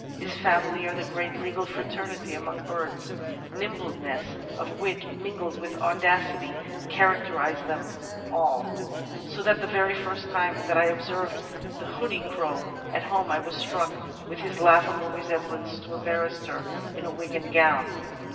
"His family are the great legal fraternity among birds ; nimbleness of wit mingled with audacity characterise them all, so that the very first time that I observed the hoodie crow at home I was struck with his laughable resemblance to a barrister in wig and gown.